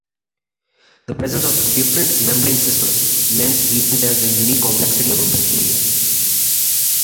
The presence of different membrane systems lends these cells a unique complexity among bacteria.